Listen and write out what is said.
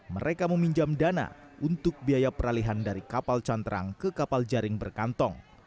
mereka meminjam dana untuk biaya peralihan dari kapal canterang ke kapal jaring berkantong